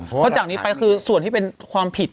เพราะจากนี้ไปคือส่วนที่เป็นความผิด